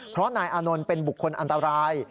เพราะนายอานนท์เป็นบุคคลอันตราย